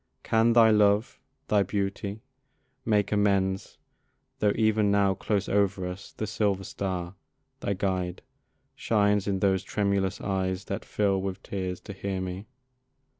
Can thy love, Thy beauty, make amends, tho' even now, Close over us, the silver star, thy guide, Shines in those tremulous eyes that fill with tears To hear me?